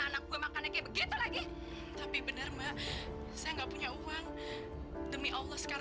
sampai jumpa di video selanjutnya